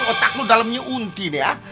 otak lu dalamnya unti nih ya